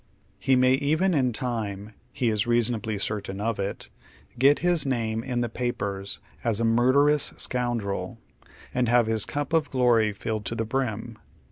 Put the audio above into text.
He may even in time — he is reasonably certain of it — get his name in the papers as a murderous scoundrel, and have his cup of glory filled to the brim.